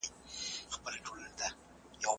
هغه ډېره ډوډۍ چي ماڼۍ ته وړل کیږي، ګرمه ده.